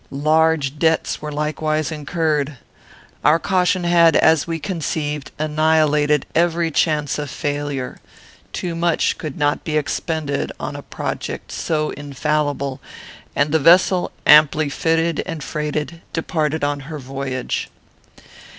Large debts were likewise incurred. Our caution had, as we conceived, annihilated every chance of failure. Too much could not be expended on a project so infallible; and the vessel, amply fitted and freighted, departed on her voyage.